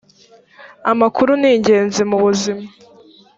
amakuru ningenzi mubuzima.